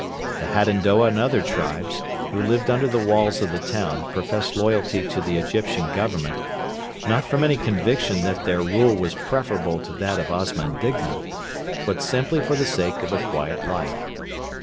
The Hadendoa and other tribes who lived under the walls of the town professed loyalty to the Egyptian Government, not from any conviction that their rule was preferable to that of Osman Digna, but simply for the sake of a quiet life.